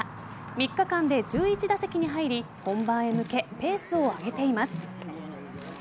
３日間で１１打席に入り本番へ向けペースを上げています。